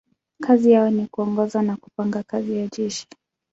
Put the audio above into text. Kazi yao ni kuongoza na kupanga kazi ya jeshi.